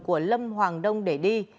của lâm hoàng đông để đi